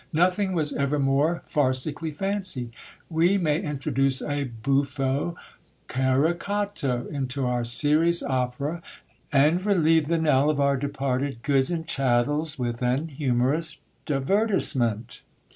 Nothing was ever more farcically fancied. We may introduce a buffo caricato into our serious opera, and relieve the knell of our departed goods and chattels with an humorous divertisement.